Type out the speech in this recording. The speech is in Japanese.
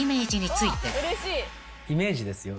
イメージですよ